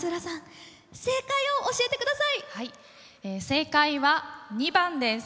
正解は２番です。